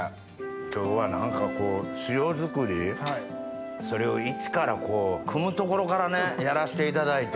今日は何かこう塩作りそれをイチからくむところからねやらせていただいて。